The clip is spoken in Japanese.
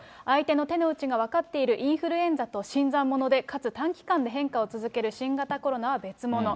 相手の手の内が分かっているインフルエンザと新参者で、かつ短期間で変化を続ける新型コロナは別物。